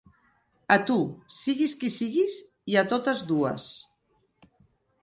A tu, siguis qui siguis, i a totes dues.